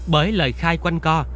bởi lời khai quanh co